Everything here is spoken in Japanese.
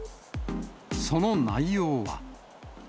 その内容は。